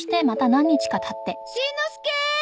しんのすけ。